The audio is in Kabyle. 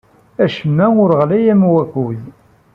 Acemma ur ɣlay am wakud.